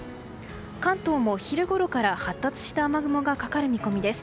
関東も昼ごろから発達した雨雲がかかる見込みです。